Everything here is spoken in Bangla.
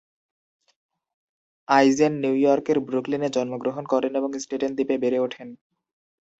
আইজেন নিউ ইয়র্কের ব্রুকলিনে জন্মগ্রহণ করেন এবং স্টেটেন দ্বীপে বেড়ে ওঠেন।